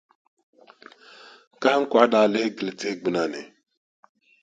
Kahiŋkɔɣu daa lihi gili tihi gbuna ni.